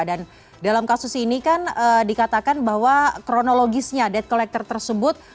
dan dalam kasus ini kan dikatakan bahwa kronologisnya debt collector tersebut